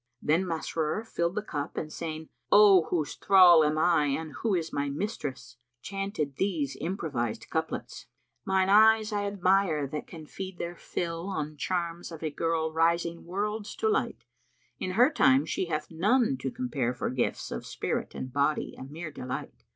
Then Masrur filled the cup and saying, "O whose thrall am I and who is my mistress!"[FN#331] chanted these improvised couplets, "Mine eyes I admire that can feed their fill * On charms of a girl rising worlds to light: In her time she hath none to compare for gifts * Of spirit and body a mere delight.